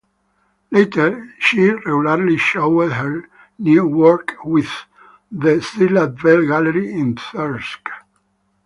Later she regularly showed new work with the Zillah Bell Gallery in Thirsk.